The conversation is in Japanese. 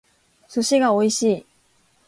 寿司が美味しい